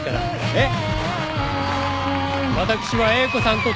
えっ？